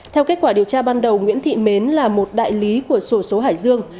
theo kết quả điều tra ban đầu nguyễn thị mến là một đại lý của sổ số hải dương